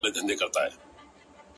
زما مرور فکر به څه لفظونه وشرنگوي”